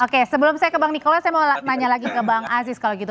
oke sebelum saya ke bang nikola saya mau nanya lagi ke bang aziz kalau gitu